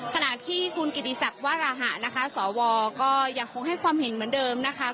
ขณะที่คุณกิติศักดิ์วาราหะนะคะสวก็ยังคงให้ความเห็นเหมือนเดิมนะคะ